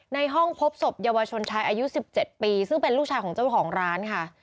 ในห้องพบศพเยาวชนชายอายุ๑๗ปีซึ่งเป็นลูกชายของเจ้าของร้านค่ะ